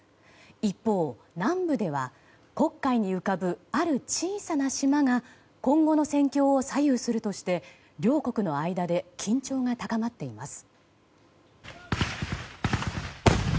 一方、南部では黒海に浮かぶある小さな島が今後の戦況を左右するとして両国の間で緊張が高まっています。